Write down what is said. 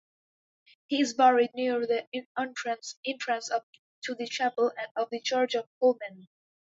He is buried near the entrance to the chapel of the Church of Holmen